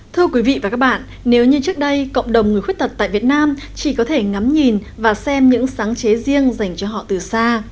thưa quý vị và các bạn nếu như trước đây cộng đồng người khuyết tật tại việt nam chỉ có thể ngắm nhìn và xem những sáng chế riêng dành cho họ từ xa